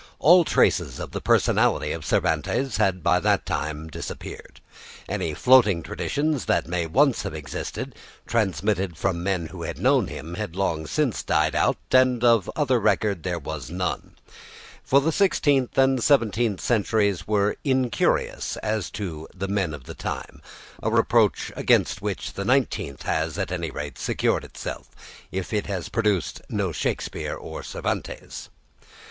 All traces of the personality of Cervantes had by that time disappeared. Any floating traditions that may once have existed, transmitted from men who had known him, had long since died out, and of other record there was none; for the sixteenth and seventeenth centuries were incurious as to "the men of the time," a reproach against which the nineteenth has, at any rate, secured itself, if it has produced no Shakespeare or Cervantes.